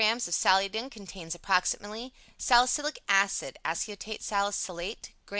xx of Saliodin contains approximately: Salicylic Acid, (Aceto Salicylate), Grs.